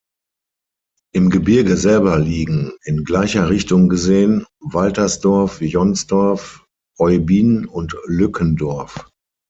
Im Gebirge selber liegen, in gleicher Richtung gesehen, Waltersdorf, Jonsdorf, Oybin und Lückendorf.